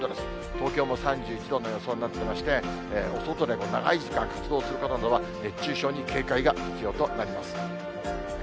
東京も３１度の予想になってまして、お外で長い時間活動する方などは熱中症に警戒が必要となります。